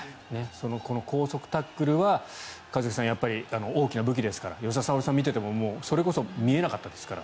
この高速タックルは一茂さん、大きな武器ですから吉田沙保里さんを見ていてもそれこそ見えなかったですから。